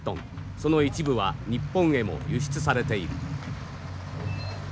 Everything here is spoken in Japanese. その一部は日本へも輸出されている。